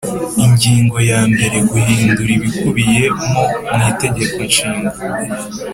Ingingo ya mbere Guhindura ibikubiyemo mwitegeko nshinga